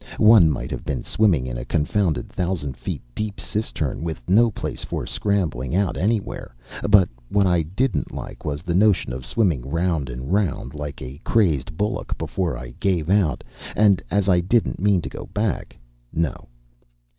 One might have been swimming in a confounded thousand feet deep cistern with no place for scrambling out anywhere; but what I didn't like was the notion of swimming round and round like a crazed bullock before I gave out; and as I didn't mean to go back... No.